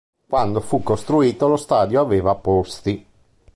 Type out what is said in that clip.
Quando fu costruito lo stadio aveva posti.